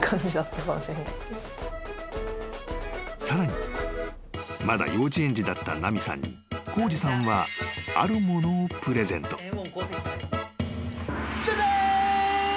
［さらにまだ幼稚園児だった奈美さんに浩二さんはあるものをプレゼント］